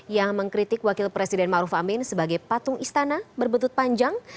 yang mengkritik wakil presiden maruf amin sebagai patung istana berbentut panjang